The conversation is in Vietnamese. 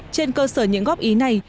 trên cơ sở những góp ý này